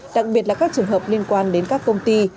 đặc biệt là các trường hợp liên quan đến các công ty